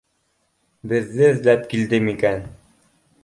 Беҙҙе эҙләп килде микән